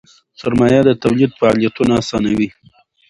سرمایه د تولید فعالیتونه آسانوي.